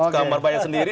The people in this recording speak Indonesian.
kamar bayar sendiri